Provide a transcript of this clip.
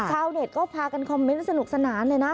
ชาวเน็ตก็พากันคอมเมนต์สนุกสนานเลยนะ